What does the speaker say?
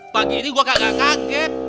pagi ini gua gak kaget